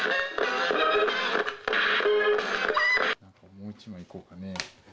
もう一枚いこうかね。